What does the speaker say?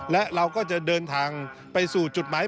และเราก็จะเดินทางไปสู่จุดหมาย